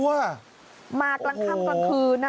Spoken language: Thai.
มากลางค่ำกลางคืน